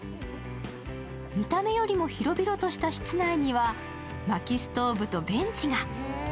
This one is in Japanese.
見た目よりも広々とした室内にはまきストーブとベンチが。